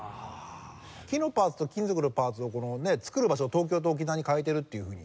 木のパーツと金属のパーツのね作る場所を東京と沖縄に変えてるっていうふうに。